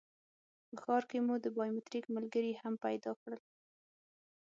په ښار کې مو د بایومټریک ملګري هم پیدا کړل.